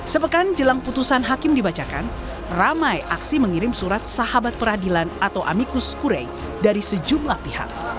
sepekan jelang putusan hakim dibacakan ramai aksi mengirim surat sahabat peradilan atau amikus kure dari sejumlah pihak